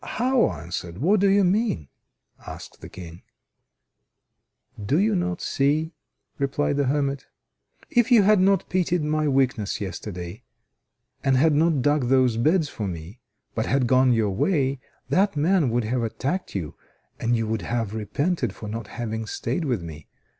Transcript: "How answered? What do you mean?" asked the King. "Do you not see," replied the hermit. "If you had not pitied my weakness yesterday, and had not dug those beds for me, but had gone your way, that man would have attacked you, and you would have repented of not having stayed with me.